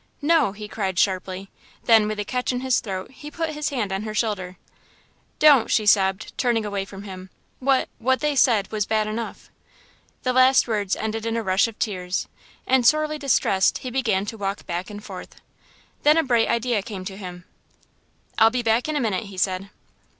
"No!" he cried, sharply; then, with a catch in his throat, he put his hand on her shoulder. "Don't!" she sobbed, turning away from him, "what what they said was bad enough!" The last words ended in a rush of tears, and, sorely distressed, he began to walk back and forth. Then a bright idea came to him. "I'll be back in a minute," he said.